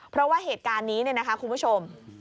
เพราะว่าเหตุการณ์นี้คุณผู้ชม